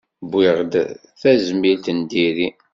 Wwiɣ-d tazmilt n diri.